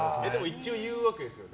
一応、言うわけですよね？